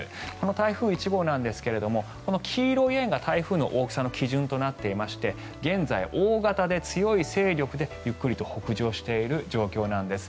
台風１号なんですが黄色い円が台風の大きさの基準となっていまして現在、大型で強い勢力でゆっくりと北上している状況なんです。